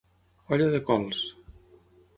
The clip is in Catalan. Olla de cols.